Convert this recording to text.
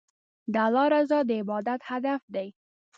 د الله رضا د عبادت هدف دی.